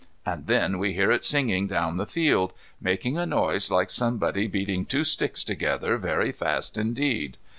And then we hear it singing down the field, making a noise like somebody beating two sticks together very fast indeed.